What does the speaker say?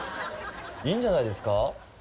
いいんじゃないですか